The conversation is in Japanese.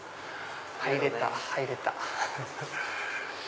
入れた入れた！